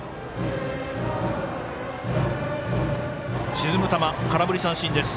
沈む球、空振り三振です。